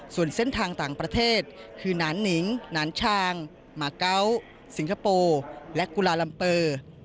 ส่วนเส้นทางต่างประเทศคือนานนิงนานชางมาเกาะสิงคโปร์และกุลาลัมเปอร์